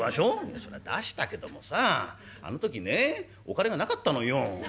「そりゃ出したけどもさあの時ねお金がなかったのよ。